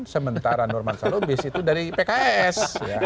sementara nurmansyah lubis itu dari pks